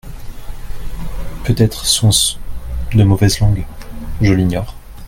Peut-être sont-ce de mauvaises langues : je l’ignore.